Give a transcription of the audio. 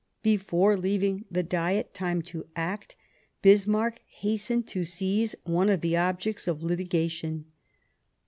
Before leaving the Diet time to act, Bismarck hastened to seize one of the objects of litigation.